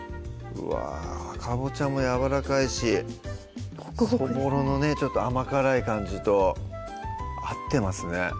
うわぁかぼちゃもやわらかいしそぼろのねちょっと甘辛い感じと合ってますね